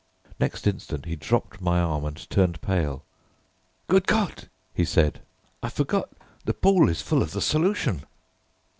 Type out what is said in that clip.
Next instant he dropped my arm and turned pale. "Good God!" he said, "I forgot the pool is full of the solution!"